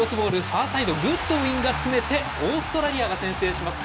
ファーサイドでグッドウィンが詰めてオーストラリアが先制します。